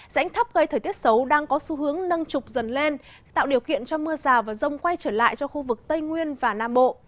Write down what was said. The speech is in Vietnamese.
rãnh thấp gây thời tiết xấu đang có xu hướng nâng trục dần lên tạo điều kiện cho mưa rào và rông quay trở lại cho khu vực tây nguyên và nam bộ